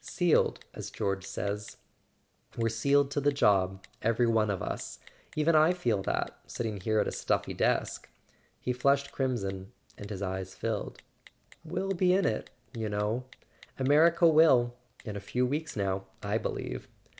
"Sealed, as George says—we're sealed to the job, every one of us! Even I feel that, sitting here at a stuffy desk. .." He flushed crimson and his eyes filled. "We'll be in it, you know; America will—in a few weeks now, I believe